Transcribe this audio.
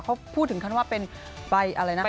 เขาพูดถึงคำว่าเป็นใบอะไรนะ